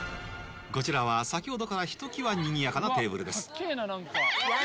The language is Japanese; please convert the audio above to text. こちらは先ほどからひときわにぎやかなテーブルです。